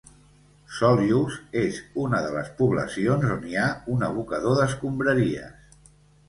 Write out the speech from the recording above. Solius és una de les poblacions on hi ha un abocador d'escombraries.